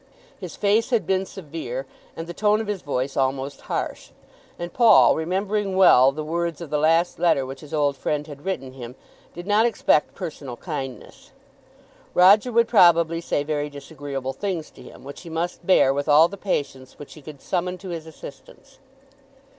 His face had been severe, and the tone of his voice almost harsh; and Paul, remembering well the words of the last letter which his old friend had written him, did not expect personal kindness. Roger would probably say very disagreeable things to him, which he must bear with all the patience which he could summon to his assistance.